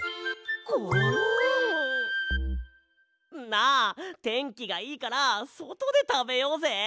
なあてんきがいいからそとでたべようぜ！